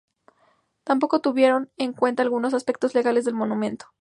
Tampoco tuvieron en cuenta algunos aspectos legales del monumento.